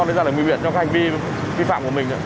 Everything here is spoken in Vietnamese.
để ra lại nguy biện cho hành vi vi phạm của mình